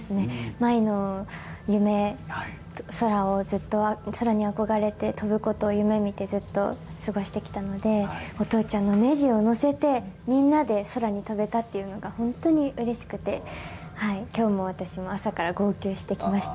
舞の夢、空をずっと、空にずっと憧れて飛ぶことを夢見てずっと過ごしてきたので、お父ちゃんのネジを載せて、みんなで空を飛べたっていうのが本当にうれしくて、きょうも私も朝から号泣してきました。